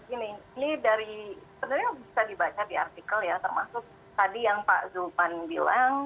ini ini dari sebenarnya bisa dibaca di artikel ya termasuk tadi yang pak zulfan bilang